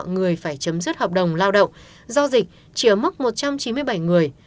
người phải chấm dứt hợp đồng lao động do dịch chỉ ở mốc một trăm chín mươi bảy người